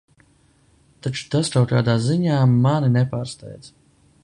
Taču tas kaut kāda ziņā mani nepārsteidz.